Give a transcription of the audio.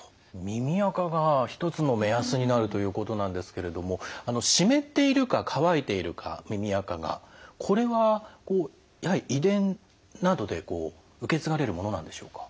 耳あかが一つの目安になるということなんですけれども湿っているか乾いているか耳あかがこれはやはり遺伝などで受け継がれるものなんでしょうか？